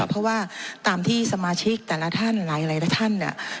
เพราะว่าตามที่สมาชิกแต่ละท่านหลายท่านเนี่ย